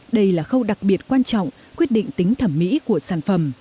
đây là khâu đặc biệt quan trọng quyết định tính thẩm mỹ của sản phẩm